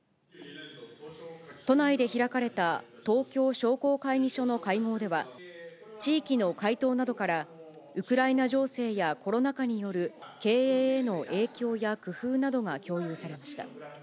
都内で開かれた東京商工会議所の会合では、地域の会頭などから、ウクライナ情勢やコロナ禍による、経営への影響や工夫などが共有されました。